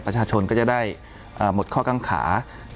ประชาชนก็จะได้หมดข้อกังขา